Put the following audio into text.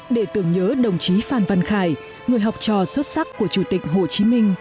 để tưởng nhớ đồng chí phan văn khải người học trò xuất sắc của chủ tịch hồ chí minh